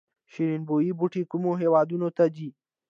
شیرین بویې بوټی کومو هیوادونو ته ځي؟